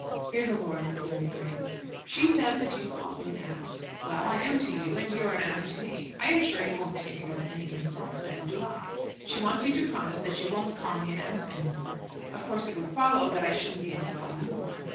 Here the lord looked very grave. "She says that you called me an ass. Well, I am to you, and you're an ass to me. I am sure you won't take it as any insult, neither do I. She wants you to promise that you won't call me an ass any more. Of course it would follow that I shouldn't be able to call you one.